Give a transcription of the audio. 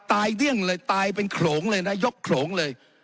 เดี้ยงเลยตายเป็นโขลงเลยนะยกโขลงเลย